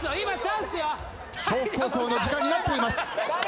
北高校の時間になっています。